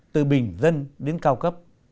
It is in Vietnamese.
từ bình dân đến cao cấp